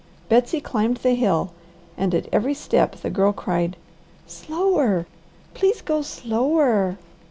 Betsy climbed the hill and at every step the Girl cried, "Slower! please go slower!"